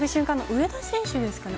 上田選手ですかね